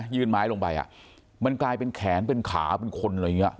ยื่นไม้ลงไปมันกลายเป็นแขนเป็นขาเป็นคนอะไรอย่างนี้